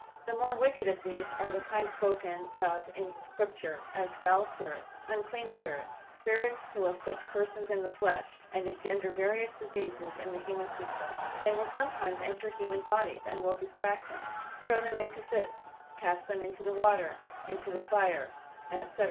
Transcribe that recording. The more wicked of these are the kind spoken of in Scripture, as "foul spirits," "unclean spirits," spirits who afflict persons in the flesh, and engender various diseases in the human system. They will sometimes enter human bodies, and will distract them, throw them into fits, cast them into the water, into the fire, &c.